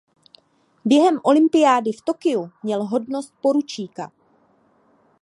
Během olympiády v Tokiu měl hodnost poručíka.